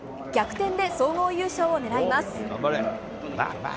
逆転で総合優勝を狙います。